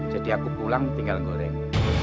jadi aku pulang tinggal goreng